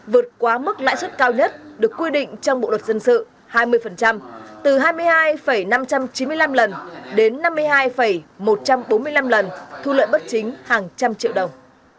vượt quá mức lãi suất cao nhất được quy định trong bộ luật dân sự hai mươi từ hai mươi hai năm trăm chín mươi năm lần đến năm mươi hai một trăm bốn mươi năm lần thu lợi bất chính hàng trăm triệu đồng